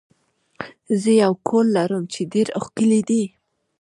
زه یو کور لرم چې ډیر ښکلی دی.